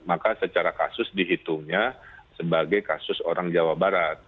maka secara kasus dihitungnya sebagai kasus orang jawa barat